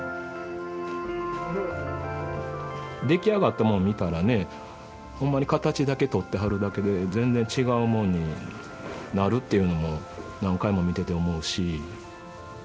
出来上がったもの見たらねほんまに形だけとってはるだけで全然違うもんになるっていうのも何回も見てて思うし。